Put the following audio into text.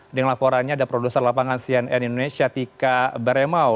dengan laporannya ada produser lapangan cnn indonesia tika beremau